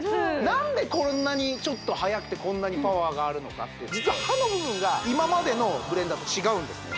何でこんなにちょっとはやくてこんなにパワーがあるのかっていうと実は刃の部分が今までのブレンダーと違うんですね